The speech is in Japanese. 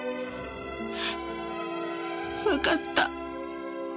わかった。